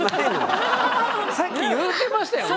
さっき言うてましたよね？